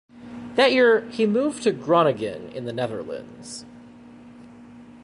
That year, he moved to Groningen in the Netherlands.